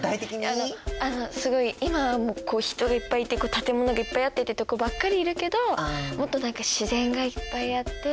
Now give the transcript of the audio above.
あのすごい今は人がいっぱいいて建物がいっぱいあってってとこばっかりいるけどもっと何か自然がいっぱいあって。